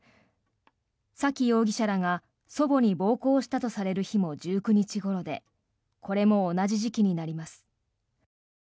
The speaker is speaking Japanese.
沙喜容疑者らが祖母に暴行したとされる日も１９日ごろでこれも同じ時期になります。